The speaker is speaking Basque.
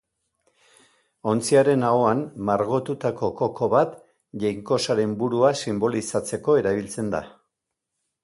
Ontziaren ahoan, margotutako koko bat, jainkosaren burua sinbolizatzeko erabiltzen da.